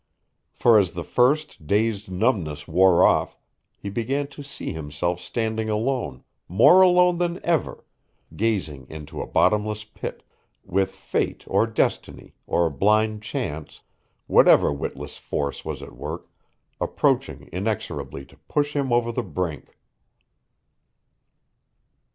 For as the first dazed numbness wore off, he began to see himself standing alone more alone than ever gazing into a bottomless pit, with Fate or Destiny or blind Chance, whatever witless force was at work, approaching inexorably to push him over the brink.